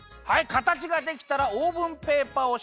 かたちができたらオーブンペーパーをしいたてんばんに